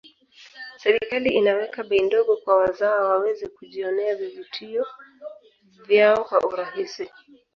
serikali inaweka bei ndogo kwa wazawa waweze kujionea vivutio vyao kwa urahisi